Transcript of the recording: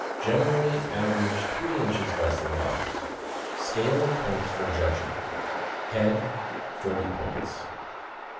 — Generally average three inches less than dogs. SCALE OF POINTS FOR JUDGING. HEAD, 40 POINTS.